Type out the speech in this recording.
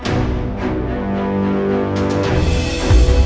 aku mau ke sana